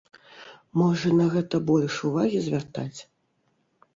Можа, на гэта больш увагі звяртаць?